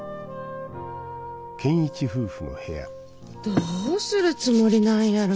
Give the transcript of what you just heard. どうするつもりなんやろ？